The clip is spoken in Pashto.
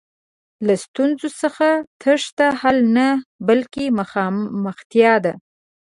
له ستونزو څخه تېښته حل نه، بلکې مخامختیا ده.